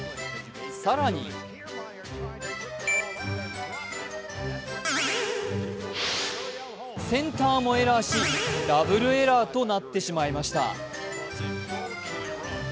更にセンターもエラーしダブルエラーとなってしまいました。